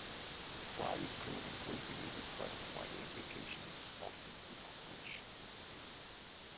Price grew increasingly depressed by the implications of his equation.